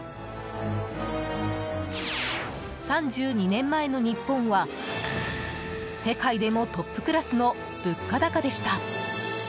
３２年前の日本は、世界でもトップクラスの物価高でした。